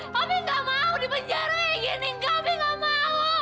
mpok gak mau di penjara ya gini mpok gak mau